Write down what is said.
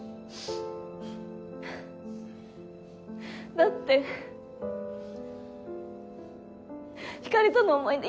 だってひかりとの思い出